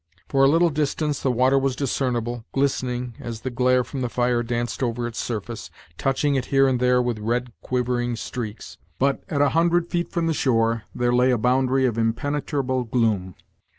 For a little distance the water was discernible, glistening, as the glare from the fire danced over its surface, touching it here and there with red quivering streaks; but, at a hundred feet from the shore, there lay a boundary of impenetrable gloom.